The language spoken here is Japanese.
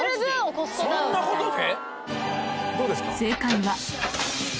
そんなことで？